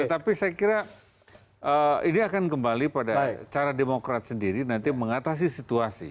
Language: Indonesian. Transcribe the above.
tetapi saya kira ini akan kembali pada cara demokrat sendiri nanti mengatasi situasi